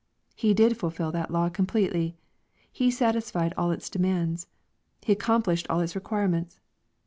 He did fulfiMhat law com pletely. He satisfied all its demands. He accomplished all its requirements.